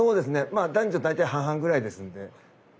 まあ男女大体半々ぐらいですので。